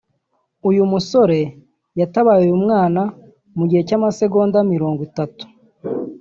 uyu musore yatabaye uyu mwana mugihe cy’amasegonda mirongo itatu